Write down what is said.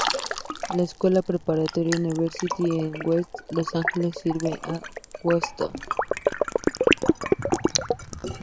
La Escuela Preparatoria University en West Los Angeles sirve a Westwood.